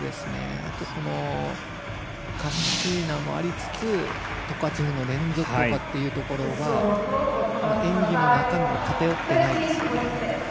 あと、カッシーナもありつつトカチェフの連続技というところが演技の中身も偏っていないですよね。